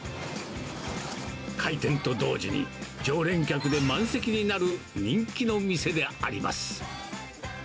開店と同時に、常連客で満席になる人気の店であります。